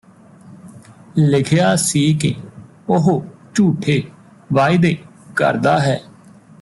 ਲਿਖਿਆ ਸੀ ਕਿ ਉਹ ਝੂਠੇ ਵਾਇਦੇ ਕਰਦਾ ਹੈ